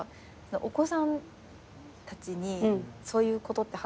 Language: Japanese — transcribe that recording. お子さんたちにそういうことって話すんですか？